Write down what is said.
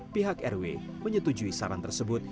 pihak rw menyetujui saran tersebut